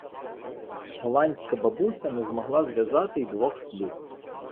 Голландська бабуся не змогла зв’язати й двох слів.